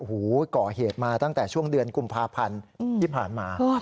ก่อเหตุมาตั้งแต่ช่วงเดือนกุมภาพันธ์ที่ผ่านมา